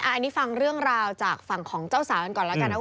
อันนี้ฟังเรื่องราวจากฝั่งของเจ้าสาวกันก่อนแล้วกันนะ